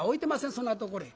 そんなところへ。